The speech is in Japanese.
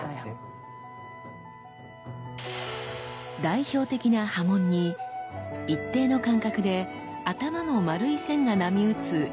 代表的な刃文に一定の間隔で頭の丸い線が波打つ